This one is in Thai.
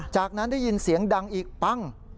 จากนั้นได้ยินเสียงดังอีกปั้ง